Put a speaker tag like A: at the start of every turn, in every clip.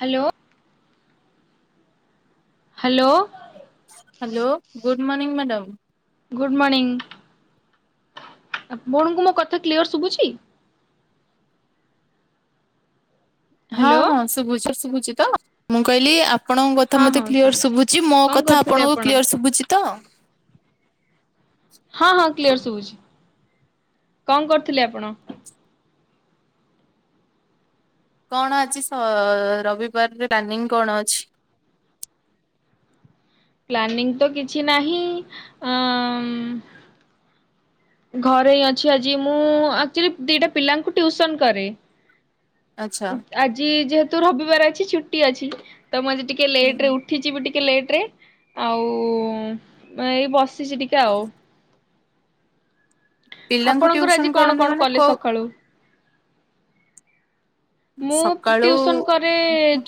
A: Hello. Hello.
B: Hello, good morning madam.
A: Good morning, ଆ ଆପଣଙ୍କୁ ମୋ କଥା କ୍ଲିୟର୍ ଶୁବୁଚି।
B: ହଁ
A: ହ୍ୟାଲୋ
B: ହଁ ଶୁଭୁଚି ଶୁଭୁଚି ତ, ମୁଁ କହିଲି ଆପ୍ ଆପଣଙ୍କ କଥା
A: ହଁ ହଁ
B: ମତେ କ୍ଲିୟର ଶୁଭୁଛି, ମୋ
A: କଣ
B: କଥା
A: କରୁଥିଲେ
B: ଆପଣଙ୍କୁ
A: ଆପଣ?
B: କ୍ଲିୟର ଶୁଭୁଛି ତ?
A: ହଁ ହଁ କ୍ଲିୟର ଶୁଭୁଛି, କଣ କରୁଥିଲେ ଆପଣ?
B: କଣ ଆଜି ଶ, ରବିବାରରେ ପ୍ଲାନିଂ କଣ ଅଛି?
A: ପ୍ଲାନିଂ ତ କିଛି ନାହିଁ--ଅଁ ଘରେ ହିଁ ଅଛି ଆଜି ମୁଁ, ଆକୁଚୁଆଲି ଦିଟା ପିଲାଙ୍କୁ ଟିଉସନ୍ କରେ।
B: ଆଚ୍ଛା।
A: ଆଜି ଯେହେତୁ ରବିବାର ଅଛି ଛୁଟି ଅଛି ତ ମୁଁ ଆଜି ଟିକେ
B: ହୁଁ
A: ଲେଟରେ ଉଠ ଉଠିଯିବି ଟିକେ ଲେଟରେ ଆଉ ମାନେ ଏଇ ବସ ପି ଜି ଟିକା ଆଉ।
B: ପିଲାଙ୍କୁ
A: ଆପଣଙ୍କର
B: ଟିଉସନ
A: ଆଜି କଣ
B: କରନ୍ତି
A: କଣ
B: ମାନେ
A: କଲେ
B: କୋଉ
A: ସକାଳୁ? ମୁଁ
B: ସକାଳୁ
A: ଟିୟୁସନ କରେ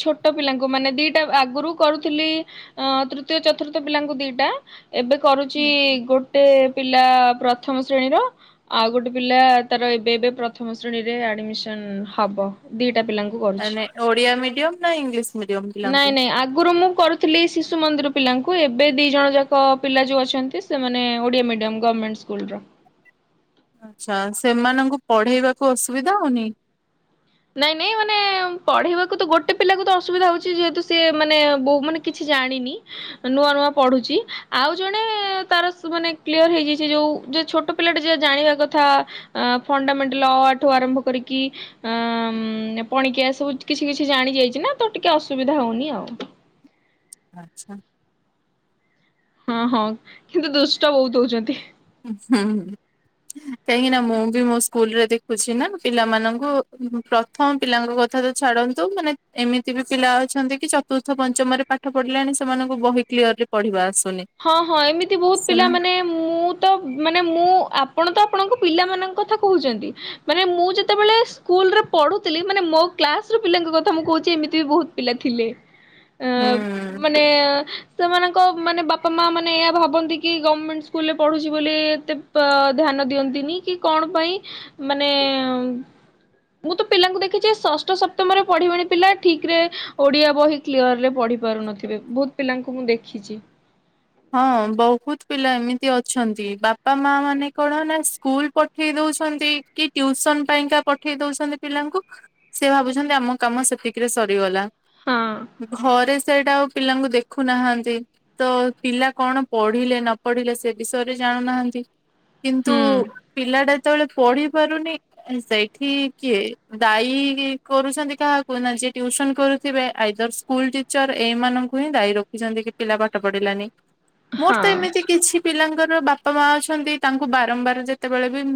A: ଛୋଟ ପିଲାଙ୍କୁ ମାନେ ଦିଟା ଆଗରୁ କରୁଥିଲି। ଅ ତୃତୀୟ ଚତୁର୍ଥ ପିଲାଙ୍କୁ ଦିଟା ଏବେ କରୁଛି ଗୋ ଗୋଟେ ପିଲା ପ୍ରଥମ ଶ୍ରେଣୀର। ଆଉ ଗୋଟେ ପିଲା ତାର ଏବେ ଏବେ ପ୍ରଥମ ଶ୍ରେଣୀରେ ଆଡମିସନ ହବ ଦିଟା ପିଲାଙ୍କୁ। କରୁଛି
B: ମାନେ ଓଡିଆ ମିଡିୟମ ନା ଇଂଲିଶ ମିଡିୟମ ପିଲାଙ୍କୁ?
A: ନାଇଁ ନାଇଁ ଆଗରୁ ମୁଁ କରୁ ଥିଲି ଶିଶୁ ମନ୍ଦିର ପିଲାଙ୍କୁ ଏବେ ଦି ଜଣ ଯାକ ପିଲା ଯୋଉ ଅଛନ୍ତି ସେମାନେ ଓଡିଆ ମିଡିୟମ ଗଭମେଣ୍ଟ ସ୍କୁଲ। ସ୍କୁଲର।
B: ଆଛା ସେମାନଙ୍କୁ ପଢେଇବାକୁ ଅସୁବିଧା ହଉନି।
A: ନାଇଁ ନାଇଁ ମାନେ ପଢେଇବାକୁ ତ ଗୋଟେ ପିଲାକୁ ତ ଅସୁବିଧା ହଉଛି ଯେହେତୁ ସିଏ ମାନେ ବୋଉ ମାନେ। କିଛି ଜାଣିନି। ନୂଆ ନୂଆ ପଢୁଛି ଆଉ ଜଣେ ତାର ମାନେ କ୍ଲିୟର ହେଇଯାଇଛି ଯୋଉ ଯୋଉ ଛୋଟ ପିଲାଟେ ଜେ ଜାଣିବା କଥା ଫଣ୍ଡାମେଣ୍ଟାଲ ଅ ଆ ଠୁ ଆରମ୍ଭ କରିକି ଆ ପଣିକିଆ ସବୁ କିଛି କିଛି ଜାଣି ଯାଇଛି ନା ତ ଟିକେ ଅସୁବିଧା ହଉନି ଆଉ।
B: ଆଚ୍ଛା।
A: ହଁ ହଁ କିନ୍ତୁ ଦୁଷ୍ଟ ବହୁତ ହଉଛନ୍ତି।
B: ହୁଁ। କାହିଁକି ନା ମୁଁ ବି ମୋ ସ୍କୁଲରେ ଦେଖୁଛି ନା ପିଲାମାନଙ୍କୁ ପ୍ର ଥମ ପିଲାଙ୍କ କଥା ତ ଛାଡନ୍ତୁ ମାନେ ଏମିତି ବି ପିଲା ଅଛନ୍ତି କି ଚତୁର୍ଥ ପଞ୍ଚମରେ ପାଠ ପାଠ ପଢିଲାଣି ସେମାନଙ୍କୁ ବହି କ୍ଲିୟରଲି ପଢିବା ଆସୁନି।
A: ହଁ ହଁ ଏମିତି ବହୁତ ପିଲା
B: ସେମା
A: ମାନେ। ମୁଁ ତ ମାନେ ମୁଁ ଆପଣ ତ ଆପଣଙ୍କ ପିଲାମାନଙ୍କ କଥା କହୁଛନ୍ତି। ମାନେ ମୁଁ ଯେତେବେଳେ ସ୍କୁଲରେ ପଢୁଥିଲି ମାନେ ମୋ କ୍ଲାସର ପିଲାଙ୍କ କଥା ମୁଁ କହୁଛି ଏମିତି ବି ବହୁତ ପିଲା ଥିଲେ। ଅ
B: ହୁଁ।
A: ମାନେ ସେମାନଙ୍କ ମାନେ ବା ବାପା ମା ମାନେ ଏୟା ଭାବନ୍ତି କି ଗମେଣ୍ଟ୍ ସ୍କୁଲରେ ପଢୁଛି ବୋଲି ଏତେ ଧ୍ୟାନ ଦିଅନ୍ତିନି କି। କଣ ପାଇଁ ମାନେ। ମୁଁ ତ ପିଲାଙ୍କୁ ଦେଖିଛି ଷଷ୍ଠ ସପ୍ତମରେ ପଢିବିଣି ପିଲା ଠିକରେ ଓଡିଆ ବହି। କ୍ଲିୟରରେ ପଢି ପାରୁନଥିବେ ବହୁତ ପିଲାଙ୍କୁ ମୁଁ ଦେଖିଛି।
B: ହଁ ବହୁତ ପିଲା ଏମିତି ଅଛନ୍ତି ବାପା ମା ମାନେ କଣ ନା ସ୍କୁଲ ପ ପଠେଇ ଦଉଛନ୍ତି କି ଟିଉସନ ପାଇଁକା ପଠେଇ ଦଉଛନ୍ତି ପିଲାଙ୍କୁ। ସେ ଭାବୁଛନ୍ତି ଆମ କାମ ସେତିକିରେ ସରିଗଲା।
A: ହଁ।
B: ଘରେ ସେଇଟା ଆଉ ପିଲାଙ୍କୁ ଦେଖୁନାହାନ୍ତି ତ। ପିଲା କଣ ପଢିଲେ ନ ପଢିଲେ ସେ ବିଷୟରେ ଜାଣୁନାହାନ୍ତି କିନ୍ତୁ
A: ହୁଁ।
B: ପିଲା ଯେତେବେଳେ ପଢି ପାରୁନି। ସେଇଠି କିଏ ଦାଇ କରୁଛନ୍ତି କାହାକୁ ନା ଯିଏ ଟିଉସନ କରୁଥିବେ ଆଇଦର୍ ସ୍କୁ ସ୍କୁଲ ଟିଚର ଏଇମାନଙ୍କୁ ହିଁ ଦାୟୀ ରଖିଛନ୍ତି କି ପିଲା ପାଠ ପଢିଲାନି। ମୋର ତ
A: ହଁ
B: ଏମିତି କିଛି ପିଲାଙ୍କର ବାପା ମା ଅଛନ୍ତି ତାଙ୍କୁ ବାରମ୍ବାର ଯେତେବେଳେ ବି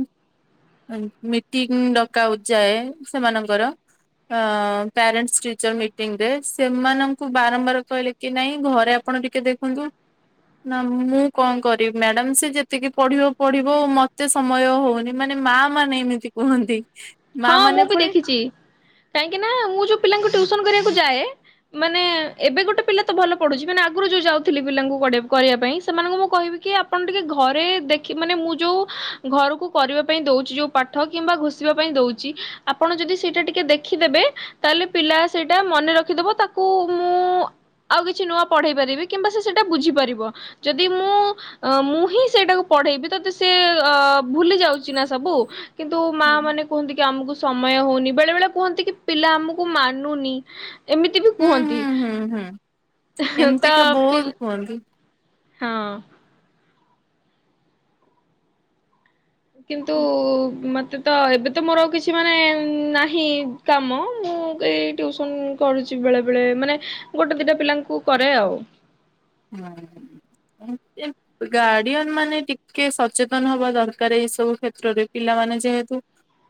B: ମିଟିଂ ଡକାଉ ଯାଏ ସେମାନଙ୍କର। ଅ ପ୍ୟାରେଣ୍ଟସ୍ ଟିଚର ମିଟିଂ ରେ ସେମାନଙ୍କୁ ବାରମ୍ବାର କହିଲି କି ନାଇଁ ଘରେ ଆପଣ ଟିକେ ଦେଖନ୍ତୁ। ନା ମୁଁ କଣ କରିବି ମ୍ୟାଡାମ ସେ ଯେତିକି ପଢିବ ପଢିବ ମତେ ସମୟ ହଉନି। ମାନେ ମା ମାନେ ଏମିତି କୁହନ୍ତି। ମା
A: ହଁ ମୁଁ
B: ମାନେ
A: ବି
B: ପୁଣି
A: ଦେଖିଛି କାହିଁକି ନା ମୁଁ ଯୋଉ ପିଲାଙ୍କୁ ଟଉସନ କରିବାକୁ ଯାଏ। ମାନେ ଏବେ ଗୋଟେ ପିଲା ତ ଭଲ ପଢୁଛି ମାନେ ଆଗରୁ ଯୋଉ ଯାଉଥିଲି ପିଲାଙ୍କୁ କରିବା ପାଇଁ ସେମାନଙ୍କୁ ମୁଁ କହିବି କି ଆପ ଆପଣ ଟିକେ ଘରେ ଦେଖି ମାନେ ମୁଁ ଯୋଉ ଘରକୁ କରିବା ପାଇଁ ଦଉଛି ଯୋଉ ପାଠ କିମ୍ବା ଘୁଷିବାକୁ ଦଉଛି ଆପଣ ଯଦି ସେଇଟା ଟିକେ ଦେଖିଦେବେ। ତାହେଲେ, ପିଲା ସେଇଟା ମନେ ରଖିଦବ ତାକୁ ମୁଁ ଆଉ କିଛି ନୂଆ ପଢେଇ ପାରିବି, କିମ୍ବା ସେ ସେଇଟା ବୁଝି ପାରିବ। ଯଦି ମୁଁ ମୁଁ ହିଁ ସେଇଟାକୁ ପଢେଇବି, ତତେ ସେ ଅ ଭୁଲି ଯାଉଚି ନା ସବୁ କିନ୍ତୁ, ମା
B: ହୁଁ
A: ମାନେ କୁହନ୍ତି କି ଆମକୁ ସମୟ ହୋଉନି, ବେଳେ ବେଳେ କୁହନ୍ତି କି, ପିଲା ଆମକୁ ମାନୁନି। ଏମିତି ବି
B: ହୁଁ
A: କୁହନ୍ତି।
B: ହୁଁ ହୁଁ
A: ହେଁ ତ ପି
B: କଣ?
A: ହଁ। କିନ୍ତୁ, ମତ୍ ତ ଏବେ ତ ମୋର କିଛି ମାନେ ନାହିଁ କାମ, ମୁଁଏଇ ଟିଉସନ୍ କରୁଛି ବେଳେ ବେଳେ, ମାନେ ଗୋଟେ ଦିଟା ପିଲାଙ୍କୁ କରେ ଆଉ
B: ହଁ [inaudible] ଗାର୍ଡିଆନ୍ ମାନେ ଟିକିଏ ସଚେତନ ହବା ଦରକାର, ଏଇ ସବୁ କ୍ଷେତ୍ରରେ, ପିଲାମାନେ ଯେହେତୁ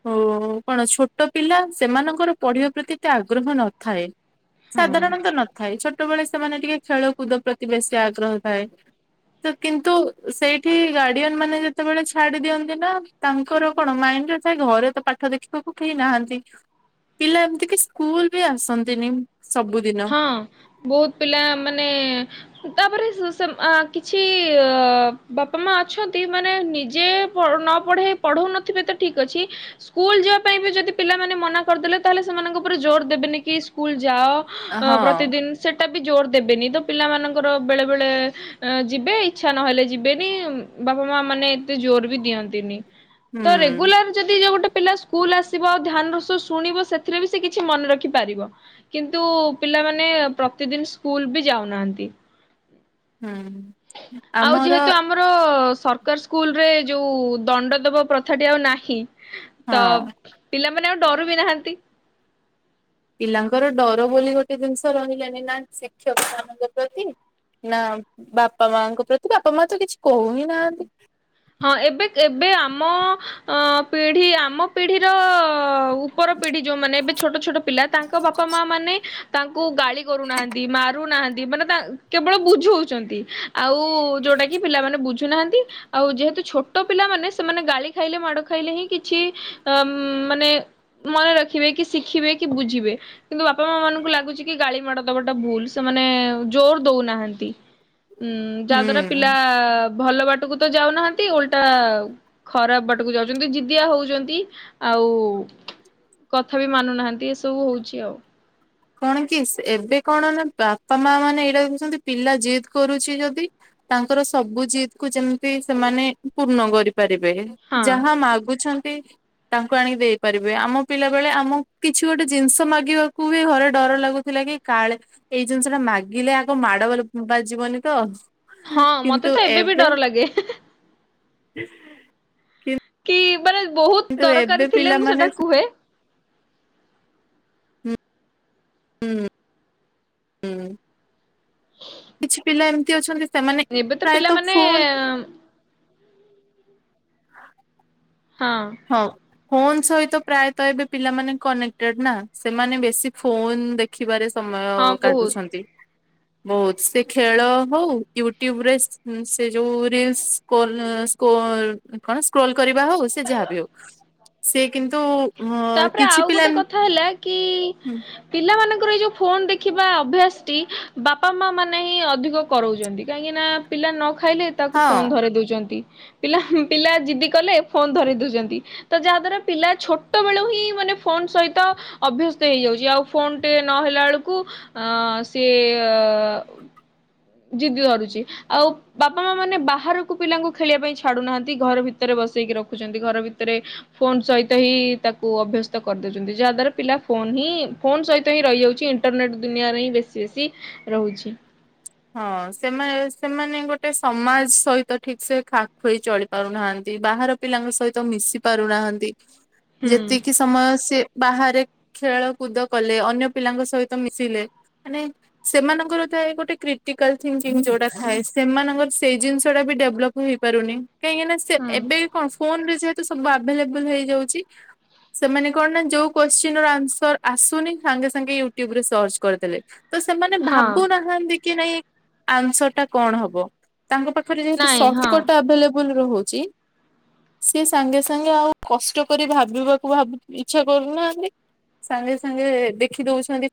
B: ହଉ ହଉ କଣ ଛୋଟ ପିଲା, ସେମାନଙ୍କର ପଢିବା ପ୍ରତି ଏତେ ଆଗ୍ରହ ନଥାଏ।
A: ହଁ।
B: ସାଧାରଣତଃ ନଥାଏ, ଛୋଟବେଳେ ସେମାନେ ଟିକିଏ ଖେଳକୁଦ ପ୍ରତି ବେଶୀ ଆଗ୍ରହ ଥାଏ। ତ କିନ୍ତୁ, ସେଇଠି ଗାର୍ଡିଆନ୍ ମାନେ ଯେତେବେଳେ ଛାଡି ଦିଅନ୍ତି ନା ତାଙ୍କର କଣ ମାଇଣ୍ଡରେ ଥାଏ, ଘରେ ତ ପାଠ ଦେଖିବାକୁ କେହି ନାହାନ୍ତି। ପିଲା ଏମିତି କି ସ୍କୁଲ ବି ଆସନ୍ତିନି। ସବୁ
A: ହଁ ବହୁତ ପିଲା ମାନେ ତାପରେ, ସେମା କିଛି ଅ ବାପା ମା ଅଛନ୍ତି ମାନେ ନିଜେ ପଢୁ ନପଢେଇ ପଢଉ ନଥିବେ ତ ଠିକ ଅଛି। ସ୍କୁଲ ଯିବା ପାଇଁ ବି ଯଦି ପିଲାମାନେ ମନା କରିଦେଲେ, ତାହେଲେ ସେମାନଙ୍କ ଉପରେ ଜୋର ଦେବେନି କି, ସ୍କୁଲ ଯା। ଅ
B: ହଁ
A: ପ୍ରତିଦିନ ସେଟା ବି ଜୋର ଦେବେନି, ତ ପିଲାମାନଙ୍କର ବେଳେ ବେଳେ ଆଁ ଯିବେ ଇଚ୍ଛା ନହେଲେ ଯିବେନି, ବାପା ମା ମାନେ ଏତେ ଜୋର ବି ଦିଅନ୍ତିନି। ତ
B: ହୁଁ
A: ରେଗୁଲାର ଯଦି ଯୋଉ ଗୋଟେ ପିଲା ସ୍କୁଲ ଆସିବ, ଧ୍ୟାନର ସହ ଶୁଣିବ, ସେଥିରେବି ସେ କିଛି ମନେ ରଖିପାରିବ। କିନ୍ତୁ ପିଲାମାନେ ପ୍ରତିଦିନ ସ୍କୁଲ ବି ଯାଉନାହାନ୍ତି।
B: ହୁଁ
A: ଆଉ
B: ଆମର
A: ଯେହେତୁ ଆମର ସରକାର ସ୍କୁଲରେ ଯୋଉ ଦଣ୍ଡ ଦବା ପ୍ରଥାଟି ଆଉ ନାହିଁ, ତ,
B: ହଁ
A: ପିଲାମାନେ ଆଉ ଡରୁବି ନାହାନ୍ତି।
B: ପିଲାଙ୍କର ଡର ବୋଲି ଗୋଟେ ଜିନିଷ ରହିଲାଣିିନା ଶିକ୍ଷକ ମାନଙ୍କ ପ୍ରତି। ନାଁ, ବାପା ମାଙ୍କ ପ୍ରତି, ବାପା ମା ତ କିଛି କହୁ ହି ନାହାନ୍ତି।
A: ହଁ ଏବେ ଏବେ ଆମ ପିଢି, ଆମ ପିଢିର ଉ ପର ପିଢି ଯୋଉମାନେ, ଯୋଉମାନେ ଏବେ ଛୋଟ ଛୋଟ ପିଲା, ତାଙ୍କ ବାପା ମା ମାନେ ତାଙ୍କୁ ଗାଳି କରୁନାହାନ୍ତି। ମାରୁନାହାନ୍ତି। ମାନେ ତା କେବଳ ବୁଝଉଛନ୍ତି। ଆଉ ଉ ଯୋଉଟା କି ପିଲାମାନେେ ବୁଝୁନାହାନ୍ତି। ଆଉ ଯେହେତୁ ଛୋଟ ପିଲାମାନେ, ସେମାନେ ଗାଳି ଖାଇଲେ ମାଡ ଖାଇଲେ ହିଁ କିଛି, ଅ ମାନେ ମନେ ରଖିବେ କି ଶିଖିବେ କି ବୁଝିବେ। କିନ୍ତୁ ବାପାମାମାନଙ୍କୁ ଲାଗୁଛି କି ଗାଳିମାଡ ଦବାଟା ଭୁଲ, ସେମାନେ ଜୋର ଦୋଉନାହାନ୍ତି। ଉଁ, ଯାହା ଦ୍ଵାରା
B: ହୁଁ।
A: ପିଲା ଭଲ ବାଟକୁତ ଯାଉନାହାନ୍ତି, ଓଲଟା ଖରାପ ବାଟକୁ ଯାଉଛନ୍ତି ଜିଦିଆ ହୋଉଛନ୍ତି, ଆଉ କଥାବି ମାନୁନାହାନ୍ତି, ଏସବୁ ହଉଛି ଆଉ।
B: କଣ କି ଏବେ କଣ ନା ବାପାମାମାନେ ଏଇଟା ଦେଖୁଛନ୍ତି, ପିଲା ଜିଦ୍ କରୁଛି ଯଦି ତାଙ୍କର ସବୁ ଜିଦକୁ ଯେମିତି ସେମାନେ ପୂର୍ଣ୍ଣ କରିପାରିବେ।
A: ହଁ
B: ଯାହା ମାଗୁଛନ୍ତି ତାଙ୍କୁ ଆଣିକି ଦେଇପାରିବେ, ଆମ ପିଲା ବେଳେ ଆମକୁ କିଛି ଗୋଟେ ଜିନିଷ ମାଗିବାକୁ ବି ଘରେ ଡର ଲାଗୁଥିଲା କି କାଳେ ଏଇ ଜିନିଷଟା ମାଗିଲେ ଆଗ ମାଡ ବା ବାଜିଯିବନି ତ।
A: ହଁ ମତେତ ଏବେବି ଡର ଲାଗେ‌।
B: ହଁ [inaudible]
A: କି, ମାନେ
B: କିନ୍ତୁ
A: ବହୁତ
B: ଏବେ
A: ଦରକାରୀ ଥିଲେ ମୁଁ
B: ପିଲାମାନେ
A: ସେଟା କୁହେ।
B: ହୁଁ। ହୁଁ - କିଛି ପିଲା ଏମିନ୍ତି ଅଛନ୍ତି ସେମାନେ
A: ନେବେ ତ
B: ପ୍ରାୟତଃ
A: ପିଲାମାନେ
B: ଫୋନ
A: ହଁ।
B: ହଁ। ଫୋନ୍ ସହିତ ପ୍ରାୟତଃ ଏବେ ପିଲାମାନେ କନେକ୍ଟେଡ୍ ନା ସେମାନେ ବେଶୀ ଫୋନ୍ ଦେ ଖିବାରେ ସମୟ
A: ହଁ ବହୁତ
B: କାଟୁଛନ୍ତି।
A: [unintelligible]
B: ବହୁତ୍, ସେ ଖେଳ ହଉ ୟୁଟ୍ୟୁବ ରେ ସେ ଯୋଉ ରିଲ୍ସ। କୋଲ ସ୍କୋଲ କଣ ସ୍କେଲ କରିବା ହଉ ସେ ଯାହାବି ହଉ, ସେ କିନ୍ତୁ
A: ତାପରେ
B: କିଛି
A: ଆଉ
B: ପିଲା
A: ଗୋଟେ
B: ଏମ
A: କଥା ହେଲା କି ପିଲାମାନଙ୍କର ଏଇ ଯୋଉ ଫୋନ ଦେଖିବା ଅଭ୍ୟାସ ଟି ବାପା ମା ମାନେ ହିଁ ଅଧିକ କରାଉଛନ୍ତି, କାହିଁକି ନା ପିଲା ନ ଖାଇଲେ ତାକୁ
B: ହଁ
A: ଫୋନ ଧରେଇ ଦଉଛନ୍ତି। ପିଲା ପିଲା ଜିଦି କଲେ ଫୋନ୍‌ ଧରେଇ ଦଉଛନ୍ତି ତ ଯାହା ଦ୍ଵାରା ପିଲା ଛୋଟ ଛୋଟ ବେଳୁ ହିଁ ମାନେ ଫୋନ୍‌ ସହିତ ଅଭ୍ୟସ୍ତ ହେଇଯାଉଛି ଆଉ ଫୋନ୍‌ ଟେ ନହଲା ବେଳକୁ ଅ ସିଏ ଜିିଦି ଧରୁଛି, ଆଉ ବାପା ମା ମାନେ ବାହାରକୁ ପିଲାଙ୍କୁ ଖେଳିବା ପାଇଁ ଛାଡୁନାହାନ୍ତି ଘର ଭିତରେ ବସେଇକି ରଖୁଛନ୍ତି। ଘର ଭିତରେ ଫୋନ ଚଇତ ହିଁ ତାକୁ ଅଭ୍ୟସ୍ତ କରିଦଉଛନ୍ତି ଯାହା ଦ୍ଵାରା ପିଲା ଫୋନ ହିଁ ଫୋନ ସହିତ ହିଁ ରହିଯାଉଛି। ଇଣ୍ଟରନେଟ୍ ଦୁନିଆରେ ହିଁ ବେଶୀ ବେଶି ରହୁଛି।
B: ହଁ ସେମା ସେମାନେ ଗୋଟେ ସମାଜ ସହିତ ଠିକ୍ ସେ ଖାପ୍ ଖୁଇ ଚଳି ପାରୁ ନାହାନ୍ତି, ବାହାର ପିଲାଙ୍କ ସହିତ ମିଶି ପାରୁନାହାନ୍ତି,
A: ହୁଁ
B: ଯେତିକି ସମୟ ସେ ବାହାରେ ଖେଳ କୁଦ କଲେ ଅନ୍ୟ ପିଲାଙ୍କ ସହିତ ମିଶିଲେ। ମାନେ, ସେମାନଙ୍କରତ ଗୋଟେ କ୍ରି କ୍ରିଟିକାଲ ଥିଙ୍କ ଙ୍କି ଯୋଉଟା ଥାଏ ସେମାନଙ୍କର ସେଇ ଜିନିଷ ଟା ବି ଡେଭଲପ ହେଇପାରୁନି, କାହିଁକି ନା ସେ
A: ହଁ
B: ଏବେ ବି କଣ ଫୋନ ରେ ଯେହେତୁ ସବୁ ଆଭେଲେବୁଲ ହେଇଯାଉଛି ସେମାନେ କଣ ନା ଯୋଉ କୋଶ୍ଚିନ ର ଆନ୍ସର ଆସୁନି ସାଙ୍ଗେ ସାଙ୍ଗେ ୟୁଟ୍ୟୁବ ରେ ସର୍ଚ୍ଚ କରିଦେଲେ। ତ ସେମାନେ
A: ହଁ
B: ଭାବୁନାହାନ୍ତି କି ନାଇଁ ଆନ୍ସର ଟା କଣ ହବ, ତାଙ୍କ ପାଖ ରେ ଯେହେତୁ
A: ନାଇଁ ହଁ।
B: ସଫ୍ଟକଟ ଆଭେଲେବୁ ରହୁଛି ସିଏ ସାଙ୍ଗେ ସାଙ୍ଗେ ଆଉ କଷ୍ଟ କରି ଭାବିବାକୁ ଭାବ ଇଚ୍ଛା କରୁନାହାନ୍ତି। ସାଙ୍ଗେ ସାଙ୍ଗେ ଦେଖି ଦେଉଛନ୍ତି।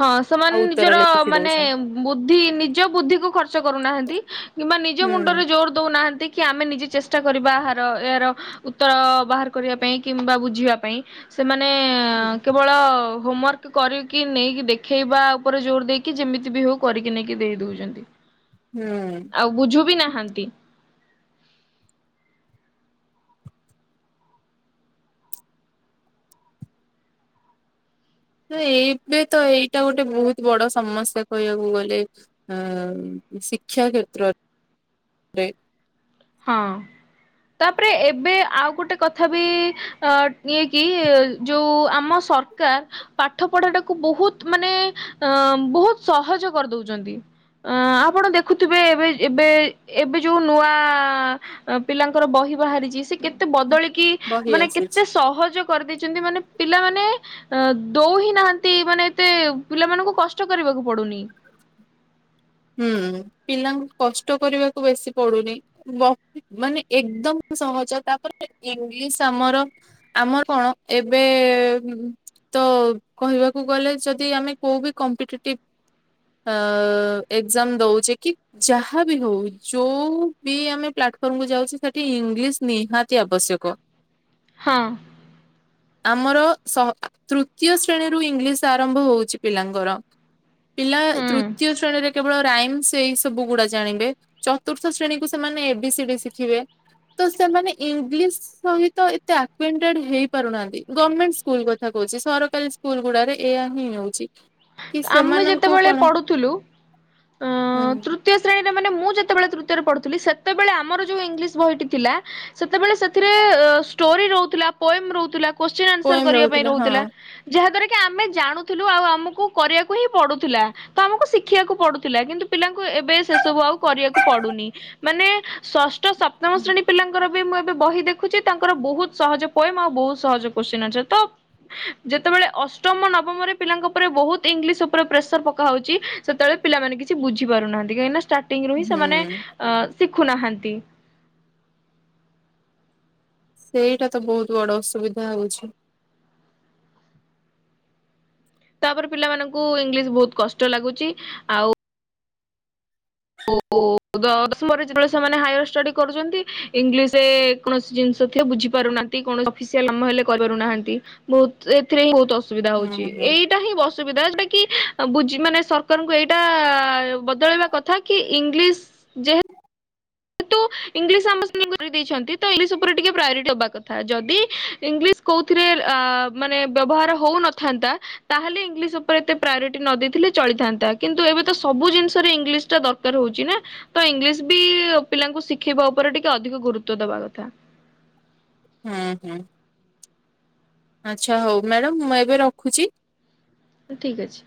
A: ହଁ ସେମାନେ ନିଜର ମାନେ
B: ଦଉଛନ୍ତି।
A: ବୁଦ୍ଧି, ନିଜ ବୁଦ୍ଧିକୁୁ ଖର୍ଚ୍ଚ କରୁନାହାନ୍ତି କିମ୍ବା ନିଜ ମୁଣ୍ଡରେ ଜୋର ଦଉନାହାନ୍ତି। କି ଆମେ ନିଜେ ଚେଷ୍ଟା କରିବା। ହା ଏହାର ଉତ୍ତର ବାହାର କରିବା ପାଇଁ କିମ୍ବା ବୁଝିବା ପାଇଁ ସେମାନେ
B: ହୁଁ
A: କେବ ଳ ହୋମୱାର୍କ କରିକି ନେଇକି ଦେଖେଇବା ଉପରେ ଜୋର ଦେଇକି ଯେମିତି ବି ହଉ କରିକି ନେଇକି ଦେଇ ଦେଉଚନ୍ତି।
B: ହୁଁ।
A: ଆଉ ବୁଝୁ ବିି ନାହାନ୍ତି।
B: ଏବେ ତ ଏଇଟା ଗୋଟେ ବହୁତ ବଡ ସମସ୍ୟା କହିବାକୁ ଗଲେ। ଆଁ ଶିକ୍ଷା କ୍ଷେତ୍ରରେ
A: ହଁ। ତାପରେ ଏବେ ଆଉ ଗୋଟେ କଥା ବି ଅ ନେଇକି ଯୋଉ ଆମ ସର ସରକାର ପାଠ ପଢାଟାକୁ ବହୁତ ମାନେ ଅ ବହୁତ ସହଜ କରିଦଉଚନ୍ତି। ଆ ଆପଣ ଦେଖୁଥିବେ ଏବେ ଏବେ ଏବେ ଯୋଉ ନୂଆ ଆ ପିଲାଙ୍କର ବହି ବାହାରିଛି, ସେ କେତେ ବଦଳିକି
B: ବହି
A: ମାନେ
B: ଆସିଛି।
A: କେତେ ସହଜ କରିଦେଇଛନ୍ତି। ମାନେ ପିଲାମାନେ ଅ ଦଉ ହିଁ ନାହାନ୍ତି ମାନେ ଏତେ ପିଲାମାନଙ୍କୁ କଷ୍ଟ କରିବାକୁ ପଡୁନି।
B: ହୁଁ। ପିଲାଙ୍କୁ କଷ୍ଟ କରିବାକୁ ବେଶୀ ପଡୁନି। ବହି ମାନେ ଏକଦମ ସହଜ ତାପରେ ଇଂଲିଶ ଆମର ଆମର କଣ ଏବେ ଉଁ ତ କହିବାକୁ ଗଲେ ଯଦି ଆମେ କୋଉ ବି କମ୍ପିଟେଟିଭ ଆ ଏକଜାମ ଦଉଛେ କି? ଯାହାବି ହଉ, ଯୋଉ ବି ଆମେ ପ୍ଲାଟଫର୍ମକୁ ଯାଉଛେ ସେଠି ଇଂଲିଶ ନିହାତି ଆବଶ୍ୟକ।
A: ହଁ।
B: ଆମର ସ ତୃତୀୟ ଶ୍ରେଣୀରୁ ଇଂଲିଶ ଆରମ୍ଭ ହଉଛି ପିଲାଙ୍କର। ପିଲା
A: ହୁଁ
B: ତୃତୀୟ ଶ୍ରେଣୀରେ କେବଳ ରାଇମସ ଏଇ ସବୁ ଗୁଡା ଜାଣିବେ। ଚତୁର୍ଥ ଶ୍ରେଣୀକୁୁ ସେମାନେ ଏ ବି ସି ଡି ଶିଖିବେ। ତ ସେମାନେ ଇଂଲିଶ ସହିତ ଏତେ ଆକ୍ୱେଣ୍ଟେଡ ହେଇପାରୁନାହାନ୍ତି। ଗମେଣ୍ଟ ସ୍କୁଲ କଥା କହୁଚି। ସରକାରୀ ସ୍କୁ ସ୍କୁଲ ଗୁଡାରେ ଏଇଆ ହିଁ ହଉଛି। କି ସେମାନଙ୍କୁ କଣ
A: ଥୁଲୁ।
B: ହୁଁ।
A: ତୃତୀୟ ଶ୍ରଣୀରେ ମାନେ ମୁଁ ଯେତେବେଳେ ତୃତୀୟରେ ପଢୁଥିଲି, ସେତେବେଳେ ଆମର ଯୋଉ ଇଂଲିଶ ବହିଟି ଥିଲା ସେତେବେଳେ ସେଥିରେ ଷ୍ଟୋରି ରହୁଥିଲା, ପୋଏମ ରହୁଥିଲା। କୋଶଚିନ, ଆନ୍ସର
B: ପୋଏମ
A: କରିବା ପାଇଁ ରହୁଥିଲା।
B: ହଁ।
A: ଯାହା ଦ୍ଵାରା କି ଆମେ ଜାଣୁଥିଲୁ ଆଉ ଆମକୁ କରିବାକୁ ହିଁ ପଡୁଥିଲା। ତ ଆମକୁ ଶିଖିବାକୁ ପଡୁଥିଲା। କିନ୍ତୁ ପିଲାଙ୍କୁ ଏବେ ସେ ସବୁ ଆଉ କରିବାକୁ ପଡୁନି। ମାନେ ଷଷ୍ଠ, ସପ୍ତମ ଶ୍ରେଣୀ ପିଲାଙ୍କର ବି ମୁଁ ଏବେ ବହି ଦେଖ ଦେଖୁଛି ତାଙ୍କର ବହୁତ ସହଜ ପୋଏମ ଆଉ ବହୁତ ସହଜ କୋଶଚିନ ଅଛି। ତ ଯେତେବେଳେ ଅଷ୍ଟମ, ନବମରେ ପିଲାଙ୍କ ଉପରେ ବହୁତ ଇଂଲିଶ ଉପରେ ପ୍ରେସର ପକା ହଉଛି ସେତେବେଳେ ପିଲମାନେ କିଛି ବୁଝି ପାରୁନାହାନ୍ତି। କାହିଁକିନା ଷ୍ଟା ଷ୍ଟାଟିଙ୍ଗ ରୁ ହିଁ ସେମାନେ
B: ହୁଁ
A: ଅ ଶିଖୁନାହାନ୍ତି।
B: ସେଇଟା ତ ବହୁତ ବଡ ଅସୁବିଧା ହଉଛି।
A: ତାପରେ ପିଲାମାନଙ୍କୁ ଇଂଲିଶ ବହୁତ କଷ୍ଟ ଲାଗୁଛି। ଆଉ ଓ, ଓ ଦଶମରେ ଯେତେବେଳେ ସେମାନେ ହାୟର ଷ୍ଟଡି କରୁଛନ୍ତି ଇଂଲିଶ ରେ କୌଣସି ଜିନିଷ ଥିଲେ ବୁଝିପାରୁନାହାନ୍ତି। କୌଣସି ଅପିସିଆଲ୍ କାମ ହେଲେ କରିପାରୁନାହାନ୍ତି ବହୁତ ଏଥିରେ ହିଁ ବହୁତ ଅସୁବିଧା
B: ହୁଁ
A: ହଉଛି।
B: ହୁଁ
A: ଏଇ ଏଟା ହିଁ ଅସୁବିଧା ଯୋଉଟା କି ବୁଝି ମାନେ ସରକାରଙ୍କୁ ଏଇଟା ବଦଳେଇବା କଥା। କି ଇଂଲିଶ ଯେହେ କିନ୍ତୁ ଇଂଲିସ ଆମ ଶ୍ରେଣୀକୁ ଯଦି ଦେଇଛନ୍ତି ତ ଇଂଲିଶ ଉପରେ ଟିକେ ପ୍ରାୟୋରିଟି ହବା କଥା। ଯଦି ଇଂଲିଶ କୋଉଥିରେ ଆ ମାନେ ବ୍ୟବହାର ହଉନଥାନ୍ତା। ତାହେଲେ ଇଂଲିଶ ଉପରେ ଏତେ ପ୍ରାୟୋରିଟି ନ ଦେଇଥିଲେ ଚଳିଥାନ୍ତା। କିନ୍ତୁ ଏବେ ତ ସବୁ ଜିନିଷରେ ଇଂଲିଶଟା ଦର ଦରକାର ହଉଛି ନା, ତ ଇଂଲିଶ ବି ପିଲାଙ୍କୁ ଶିଖେଇବା ଉପରେ ଟିକେ ଅଧିକ ଗୁରୁତ୍ଵ ଦବା କଥା।
B: ହୁଁ ହୁଁ। ଆଚ୍ଛା, ହଉ ମ୍ୟାଡ଼ାମ ମୁଁ ଏବେ ରଖୁଛି।
A: ଠିକ୍ ଅଛି।